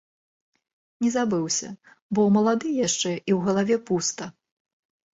Не забыўся, бо малады яшчэ і ў галаве пуста.